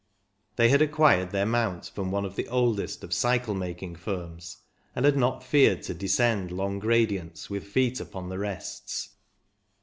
They had acquired their mount from one of the oldest of cycle making firms, and had not feared to descend long gradients with feet upon the rests.